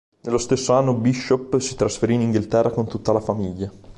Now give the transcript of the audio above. Nello stesso anno Bishop si trasferì in Inghilterra con tutta la famiglia.